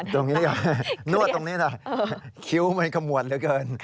ตรงนี้นวดตรงนี้คิ้วมันขมวดเหลือเกิน